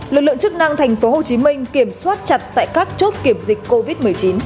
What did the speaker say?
lực lượng chức năng tp hcm kiểm soát chặt tại các chốt kiểm dịch covid một mươi chín